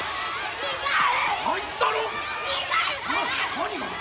何が？